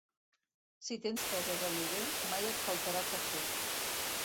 Si tens cases a lloguer, mai et faltarà quefer.